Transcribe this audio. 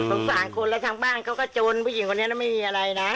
สารคนแล้วทางบ้านเขาก็จนผู้หญิงคนนี้ไม่มีอะไรนะ